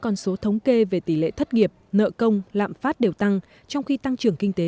con số thống kê về tỷ lệ thất nghiệp nợ công lạm phát đều tăng trong khi tăng trưởng kinh tế